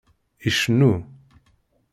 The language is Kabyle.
Icennu.